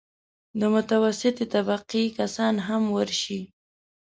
د متوسطې طبقې کسان هم ورشي.